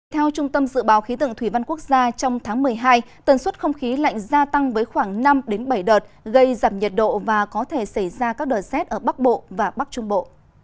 theo trung tâm dự báo khí tượng thủy văn quốc gia trong tháng một mươi hai tần suất không khí lạnh gia tăng với khoảng năm bảy đợt gây giảm nhiệt độ và có thể xảy ra các đợt rét ở bắc bộ và bắc trung bộ